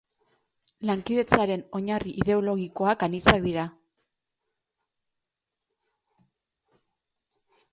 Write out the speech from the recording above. Lankidetzaren oinarri ideologikoak anitzak dira.